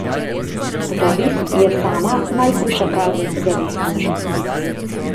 Zavist je sama najhujša kazen zavistnežu.